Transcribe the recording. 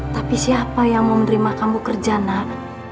tapi siapa yang mau menerima kamu kerja nak